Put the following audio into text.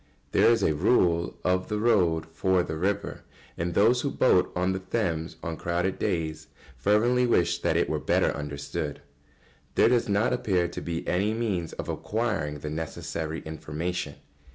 ] There is a rule of the road for the river, and those who boat on the Thames on crowded days fervently wish that it were better understood. There does not appear to be any means of acquiring the necessary information.